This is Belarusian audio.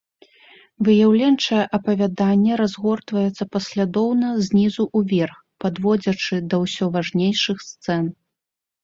Выяўленчае апавяданне разгортваецца паслядоўна знізу ўверх, падводзячы да ўсё важнейшых сцэн.